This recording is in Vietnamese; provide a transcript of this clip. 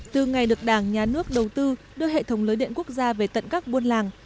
từ ngày được đảng nhà nước đầu tư đưa hệ thống lưới điện quốc gia về tận các buôn làng